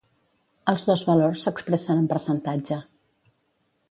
Els dos valors s'expressen en percentatge.